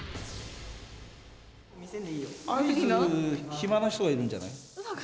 暇な人がいるんじゃない？